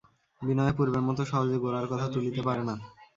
বিনয়ও পূর্বের মতো সহজে গোরার কথা তুলিতে পারে না।